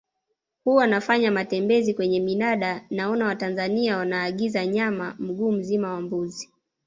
Huwa nafanya matembeezi kwenye minada naona Watanzania wanaagiza nyama mguu mzima wa mbuzi